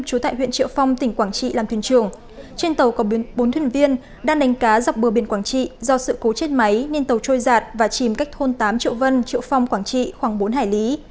trú tại huyện triệu phong tỉnh quảng trị làm thuyền trường trên tàu có bốn thuyền viên đang đánh cá dọc bờ biển quảng trị do sự cố chết máy nên tàu trôi giạt và chìm cách thôn tám triệu vân triệu phong quảng trị khoảng bốn hải lý